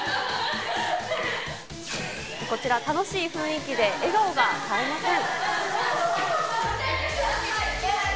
こちら、楽しい雰囲気で笑顔が絶えません。